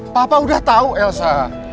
papa udah tau elsa